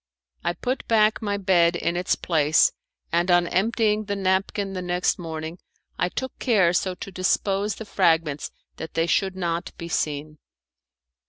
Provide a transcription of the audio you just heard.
I put back my bed in its place, and on emptying the napkin the next morning I took care so to dispose the fragments that they should not be seen.